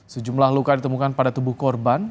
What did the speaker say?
sejumlah luka ditemukan pada tubuh korban